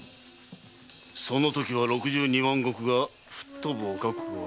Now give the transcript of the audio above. そのときは六十二万石が吹っ飛ぶお覚悟はおありか？